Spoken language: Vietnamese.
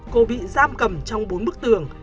cô bị giam cầm trong bốn bức tường